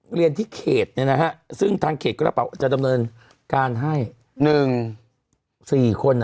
กันเรียนที่เขตเนี้ยน่ะฮะซึ่งทางเขตก็จะพอจะดำเนินการให้นึงสี่คนน่ะ